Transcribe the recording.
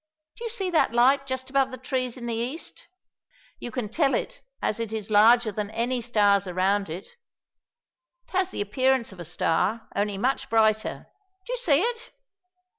Do you see that light just above the trees in the East. You can tell it as it is larger than any stars around it. It has the appearance of a star only much brighter. Do you see it?"